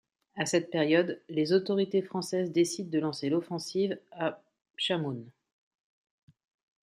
À cette période, les autorités françaises décident de lancer l’offensive à Bchamoun.